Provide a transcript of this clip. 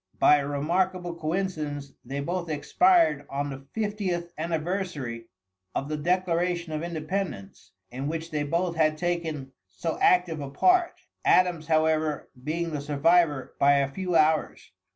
By a remarkable coincidence, they both expired on the fiftieth anniversary of the Declaration of Independence, in which they both had taken so active a part, Adams, however, being the survivor by a few hours.